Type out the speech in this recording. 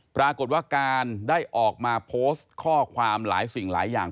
ปรากฏว่าการได้ออกมาโพสต์ข้อความหลายสิ่งหลายอย่าง